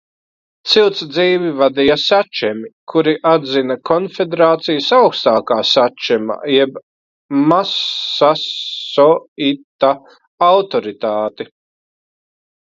Cilts dzīvi vadīja sačemi, kuri atzina konfederācijas augstākā sačema jeb masasoita autoritāti.